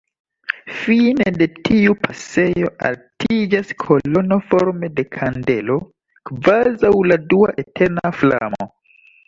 Fine de tiu pasejo altiĝas kolono forme de kandelo, kvazaŭ la dua eterna flamo.